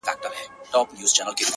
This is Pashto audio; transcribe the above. په والله چي ته هغه یې بل څوک نه یې؛؛!